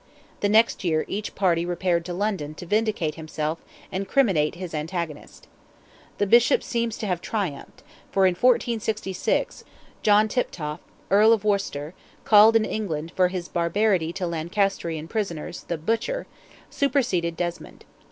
The next year each party repaired to London to vindicate himself and criminate his antagonist. The Bishop seems to have triumphed, for in 1466, John Tiptoft, Earl of Worcester, called in England, for his barbarity to Lancasterian prisoners, "the Butcher," superseded Desmond.